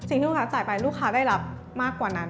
ลูกค้าจ่ายไปลูกค้าได้รับมากกว่านั้น